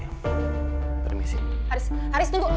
haris haris tunggu